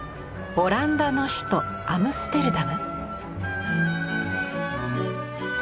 オランダの首都アムステルダム。